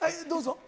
どうぞ。